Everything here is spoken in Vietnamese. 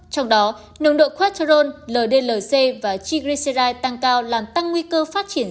trong đó nồng độ quaterol ldlc và triglyceride tăng cao làm tăng nguy cơ phát triển